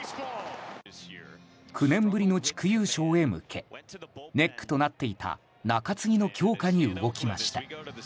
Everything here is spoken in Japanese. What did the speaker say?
９年ぶりの地区優勝へ向けネックとなっていた中継ぎの強化に動きました。